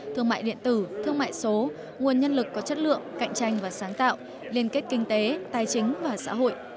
thương mại điện tử thương mại số nguồn nhân lực có chất lượng cạnh tranh và sáng tạo liên kết kinh tế tài chính và xã hội